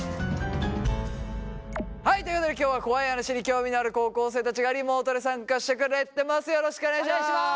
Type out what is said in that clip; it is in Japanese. はいということで今日は怖い話に興味のある高校生たちがリモートで参加してくれてます。